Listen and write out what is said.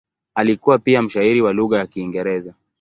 Alikuwa pia mshairi wa lugha ya Kiingereza.